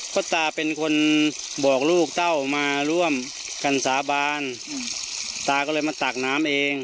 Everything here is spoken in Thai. เพราะตาเป็นคนบอกลูกเต้ามาร่วมกันสาบานตาก็เลยมาตักน้ำเอง